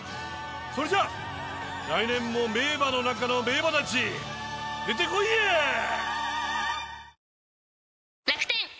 それじゃ来年も名馬の中の名馬たち出てこいやあ！